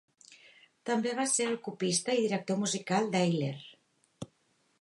També va ser el copista i director musical d'Ayler.